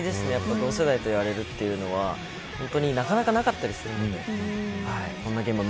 同世代とやれるというのはなかなかなかったりするので。